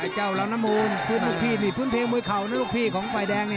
เจ้าเหล่านมูลพื้นเพียงมวยเข่าพื้นเพียงมวยเข่านักลูกพี่ของไฟแดง